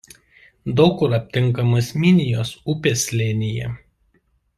Daug kur aptinkamas Minijos upės slėnyje.